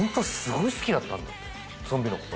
ゾンビのこと。